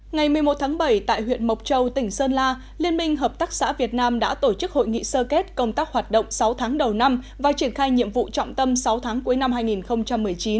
ngày một mươi một tháng bảy tại huyện mộc châu tỉnh sơn la liên minh hợp tác xã việt nam đã tổ chức hội nghị sơ kết công tác hoạt động sáu tháng đầu năm và triển khai nhiệm vụ trọng tâm sáu tháng cuối năm hai nghìn một mươi chín